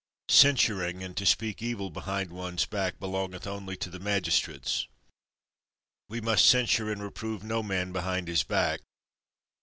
Censuring, and to speak evil behind one's back, belongeth only to the magistrates. We must censure and reprove no man behind his back.